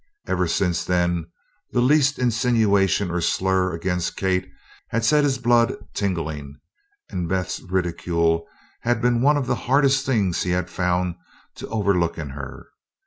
Ever since then the least insinuation or slur against Kate had set his blood tingling, and Beth's ridicule had been one of the hardest things he had found to overlook in her.